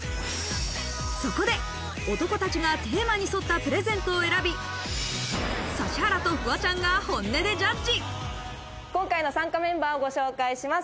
そこで、男たちがテーマに沿ったプレゼントを選び、指原とフワちゃんが本音でジャッジ。